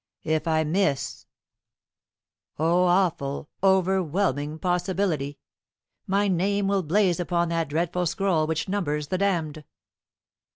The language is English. If I miss O awful, overwhelming possibility! my name will blaze upon that dreadful scroll which numbers the damned."